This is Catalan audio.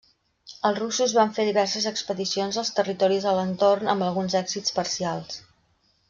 Els russos van fer diverses expedicions als territoris a l'entorn amb alguns èxits parcials.